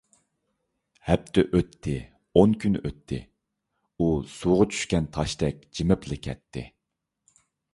ھەپتە ئۆتتى، ئون كۈن ئۆتتى…ئۇ سۇغا چۈشكەن تاشتەك جىمىپلا كەتتى.